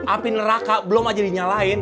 api neraka belum aja dinyalain